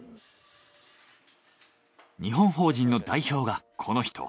日本法人の代表がこの人。